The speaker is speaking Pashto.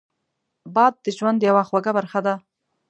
باد د ژوند یوه خوږه برخه ده